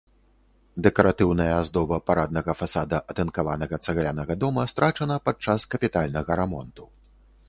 Дэкаратыўная аздоба параднага фасада атынкаванага цаглянага дома страчана падчас капітальнага рамонту.